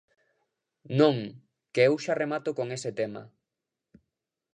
Non, que eu xa remato con ese tema.